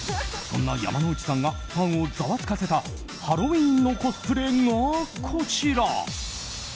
そんな山之内さんがファンをざわつかせたハロウィーンのコスプレがこちら。